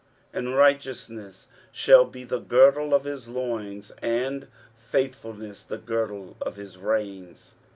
23:011:005 And righteousness shall be the girdle of his loins, and faithfulness the girdle of his reins.